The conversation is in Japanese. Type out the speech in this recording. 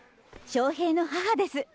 翔平の母です。